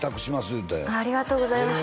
言うてありがとうございます